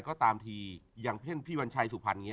ก็ตามทีอย่างเช่นพี่วัญชัยสุพรรณอย่างนี้